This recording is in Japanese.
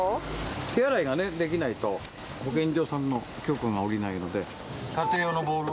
手洗いがね、できないと、保健所さんの許可が下りないので、家庭用のボウルを。